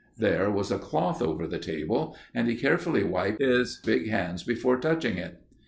There was a cloth over the table and he carefully wiped his big hands before touching it.